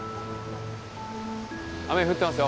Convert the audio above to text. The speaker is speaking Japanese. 雨降ってますよ。